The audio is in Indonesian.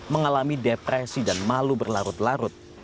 mengalami depresi dan malu berlarut larut